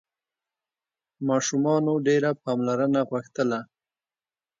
ماشومانو ډېره پاملرنه غوښتله.